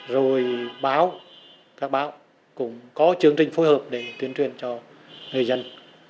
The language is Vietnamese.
rồi báo các báo cũng có chương trình phối hợp để tuyên truyền cho người dân